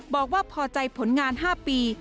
บอกว่าพอใจผลงาน๕ปี